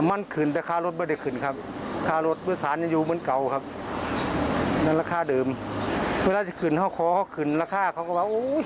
อันนี้วินมอเตอร์ไซน์นะครับ